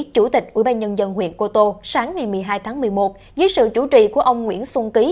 chủ tịch ủy ban nhân dân huyện cô tô sáng ngày một mươi hai tháng một mươi một dưới sự chủ trì của ông nguyễn xuân ký